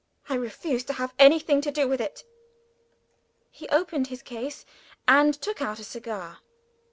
I refuse to have anything to do with it." He opened his case, and took out a cigar.